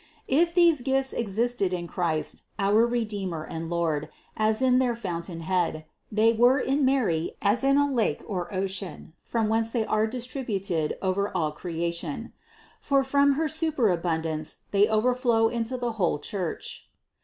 If these gifts existed in Christ, our Redeemer and Lord, as in their fountainhead, they were in Mary as in a lake or ocean, from whence they are distributed over all creation : for 466 CITY OF GOD from her superabundance they overflow into the whole Church.